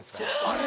あれ？